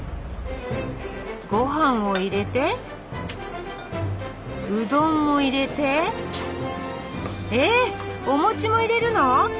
ごはんを入れてうどんも入れてえっお餅も入れるの？